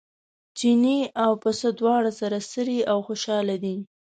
چیني او پسه دواړه سره څري او خوشاله دي.